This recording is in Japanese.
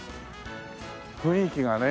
雰囲気がね